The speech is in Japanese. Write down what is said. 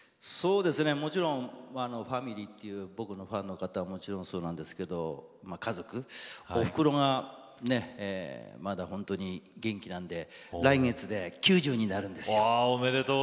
もちろんファミリーという僕のファンの方はもちろんなんですが家族おふくろがまだ本当に元気なので来月で９０になるんですよ。